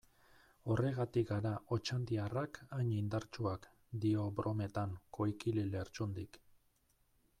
Horregatik gara otxandiarrak hain indartsuak, dio brometan Koikili Lertxundik.